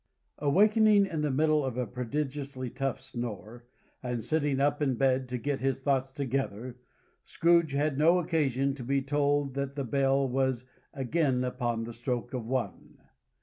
Awaking in the middle of a prodigiously tough snore, and sitting up in bed to get his thoughts together, Scrooge had no occasion to be told that the bell was again upon the stroke of One.